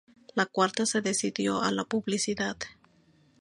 La cuarta se dedicó a la publicidad.